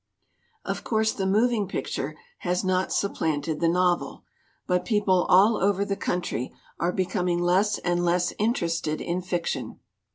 "Of course the moving picture has not sup planted the novel. But people all over the coun try are becoming less and less interested in fiction.